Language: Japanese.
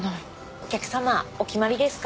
お客様お決まりですか？